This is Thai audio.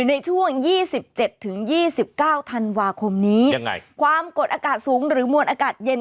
ในช่วง๒๗๒๙ธันวาคมนี้ยังไงความกดอากาศสูงหรือมวลอากาศเย็น